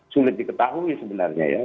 sulit diketahui sebenarnya ya